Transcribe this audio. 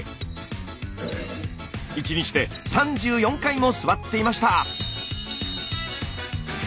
１日で３４回も座っていました。